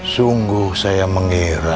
sungguh saya mengira